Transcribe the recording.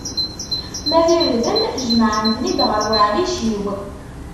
Ma d irden, jemɛet-ten-id ɣer uɛric-iw.